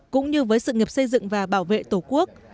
cũng như với sự nghiệp xây dựng và bảo vệ tổ quốc